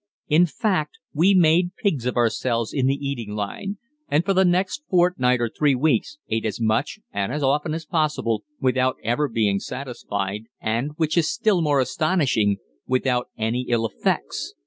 In fact, we made pigs of ourselves in the eating line, and for the next fortnight or three weeks ate as much and as often as possible, without ever being satisfied, and, which is still more astonishing, without any ill effects.